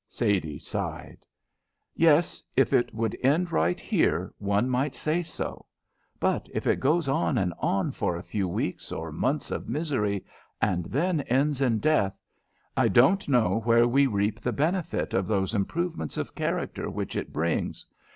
Sadie sighed. "Yes, if it would end right here one might say so. But if it goes on and on for a few weeks or months of misery, and then ends in death, I don't know where we reap the benefit of those improvements of character which it brings.